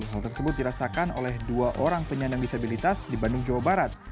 hal tersebut dirasakan oleh dua orang penyandang disabilitas di bandung jawa barat